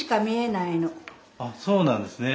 あっそうなんですね。